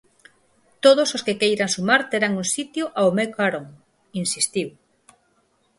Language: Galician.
"Todos os que queiran sumar terán un sitio ao meu carón", insistiu.